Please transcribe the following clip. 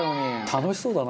「楽しそうだな」